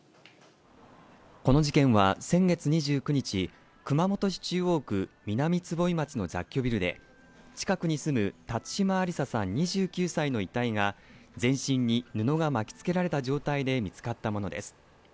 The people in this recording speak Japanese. この事件は先月２９日、熊本市中央区南坪井町の雑居ビルで、近くに住む辰島ありささん２９歳の遺体が全身に布が巻きつけられた状態で見つかったものです。